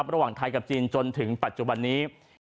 ระหว่างไทยกับจีนจนถึงปัจจุบันนี้